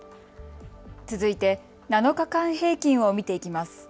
続いて７日間平均を見ていきます。